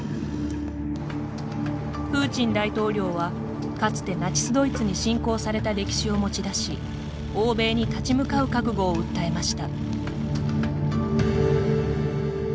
プーチン大統領はかつてナチス・ドイツに侵攻された歴史を持ち出し欧米に立ち向かう覚悟を訴えました。